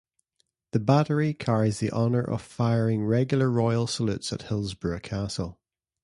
The Battery carries the honour of firing regular royal salutes at Hillsborough Castle.